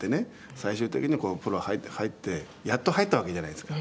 最終的にこうプロ入ってやっと入ったわけじゃないですか。